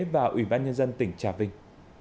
và ủy ban nhân dân tỉnh trà vinh